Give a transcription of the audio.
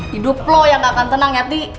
hidup lo yang gak akan tenang yati